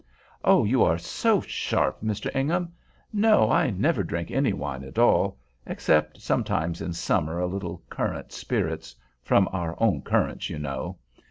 "Oh! you are so sharp, Mr. Ingham! No! I never drink any wine at all—except sometimes in summer a little currant spirits—from our own currants, you know.